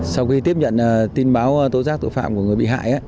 sau khi tiếp nhận tin báo tố giác tội phạm của người bị hại